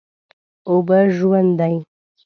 اوبه ژوند دي.